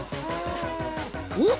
お！